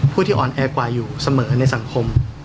ที่อ่อนแอกว่าอยู่เสมอในสังคม